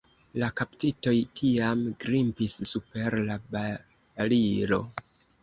La kaptitoj tiam grimpis super la barilo.